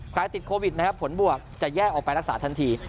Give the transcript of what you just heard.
ใกล้ติดโควิดวิทย์ผลบวกจะแยกออกไปรักษาทันที